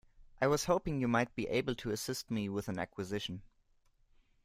I was hoping you might be able to assist me with an acquisition.